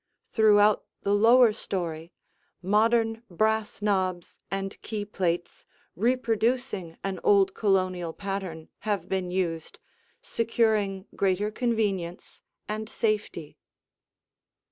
Throughout the lower story, modern brass knobs and key plates reproducing an old Colonial pattern have been used, securing greater convenience and safety.